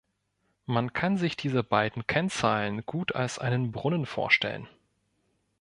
Man kann sich diese beiden Kennzahlen gut als einen Brunnen vorstellen.